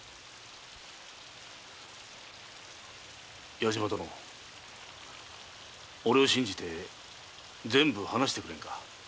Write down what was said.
矢島殿俺を信じて全部話してくれんか。